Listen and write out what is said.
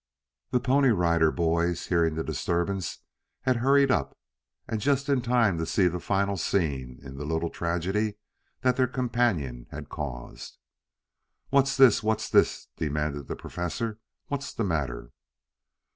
The Pony Rider Boys, hearing the disturbance, had hurried up, and just in time to see the final scene in the little tragedy that their companion had caused. "What's this? What's this?" demanded the Professor. "What's the matter?"